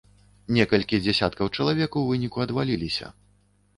Некалькі дзясяткаў чалавек у выніку адваліліся.